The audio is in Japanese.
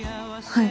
はい。